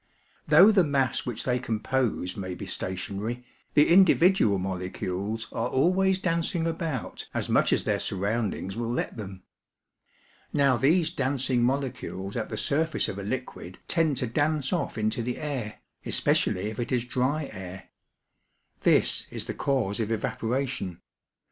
Though the mass which they com pose may be stationary, the individual molecules are always dancing about as much as their surroundings will let them. Now these dancing molecules at the surface of a liquid tend to dance off into the air, especially if it is dry air. This is the cause of evaporation.